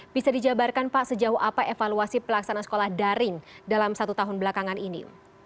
bisa dijabarkan pak sejauh apa evaluasi pelaksanaan sekolah daring dalam satu tahun belakangan ini